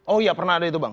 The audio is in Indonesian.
oh iya pernah ada itu bang